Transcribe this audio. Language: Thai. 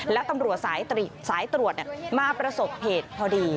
แล้วตำรวจสายตรวจมาประสบเหตุพอดี